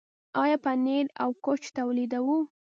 آیا پنیر او کوچ تولیدوو؟